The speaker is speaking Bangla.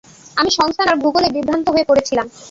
আমি সংস্থান আর ভূগোলে বিভ্রান্ত হয়ে পড়েছিলাম।